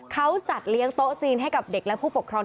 เขาจัดเลี้ยงโต๊ะจีนให้กับเด็กและผู้ปกครอง